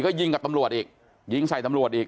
ก็ยิงกับตำรวจอีกยิงใส่ตำรวจอีก